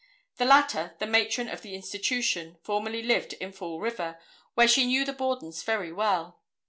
The latter, the matron of the institution, formerly lived in Fall River, where she knew the Bordens very well.